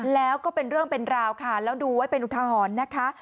แล้วก็เป็นเรื่องเป็นราวค่ะแล้วดูไว้เป็นอุทาหรณ์นะคะ